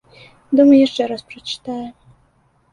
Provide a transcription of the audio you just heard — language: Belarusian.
Дома яшчэ раз прачытае.